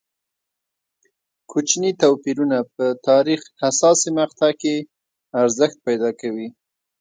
کوچني توپیرونه په تاریخ حساسې مقطعې کې ارزښت پیدا کوي.